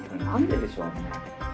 何ででしょうね。